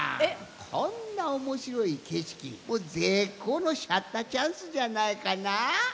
こんなおもしろいけしきぜっこうのシャッターチャンスじゃないかな？